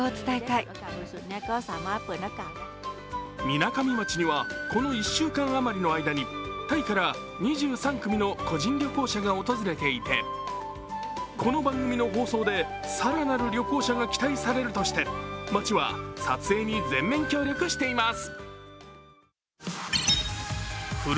みなかみ町にはこの１週間余りの間にタイから２３組の個人旅行者が訪れていて、この番組の放送で、更なる旅行者が期待されるとして町は撮影に全面協力しています。